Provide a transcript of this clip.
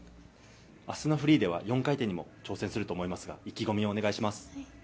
明日のフリーでは４回転にも挑戦すると思いますが意気込みをお願いします。